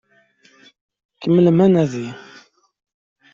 Kemmlem anadi!